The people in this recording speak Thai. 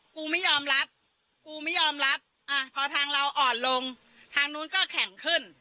กูไม่ยอมรับกูไม่ยอมรับพอทางเราอ่อนลงทางนู้นก็แข็งขึ้น